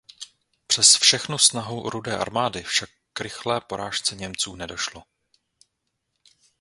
Přes všechnu snahu Rudé armády však k rychlé porážce Němců nedošlo.